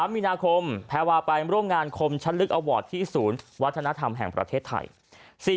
มีนาคมแพรวาไปร่วมงานคมชั้นลึกอวอร์ดที่ศูนย์วัฒนธรรมแห่งประเทศไทย